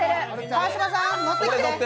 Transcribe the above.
川島さん、乗ってきて。